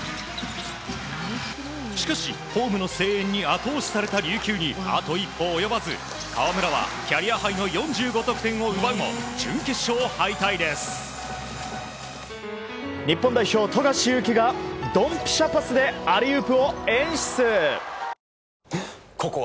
しかし、ホームの声援に後押しされた琉球にあと一歩及ばず河村はキャリアハイの４５得点を奪うも海外サッカーＵＥＦＡチャンピオンズリーグ。